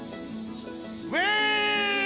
ウェイ！